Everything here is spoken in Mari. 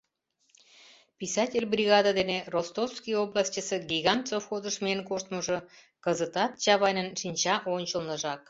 Писатель бригаде дене Ростовский областьысе «Гигант» совхозыш миен коштмыжо кызытат Чавайнын шинча ончылныжак.